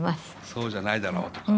「そうじゃないだろう」とか。